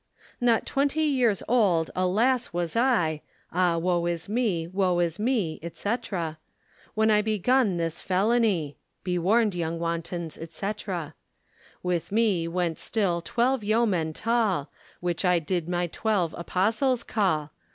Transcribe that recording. Not twentie yeeres old, alas, was I, Ah woe is me, woe is me, &c., When I begun this fellonie. Be warned yong wantons, &c. With me went still twelve yeomen tall, Which I did my twelve Apostles call.